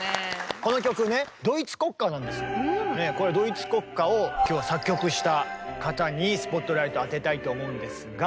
これドイツ国歌を今日は作曲した方にスポットライト当てたいと思うんですが。